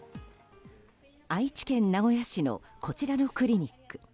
愛知県名古屋市のこちらのクリニック。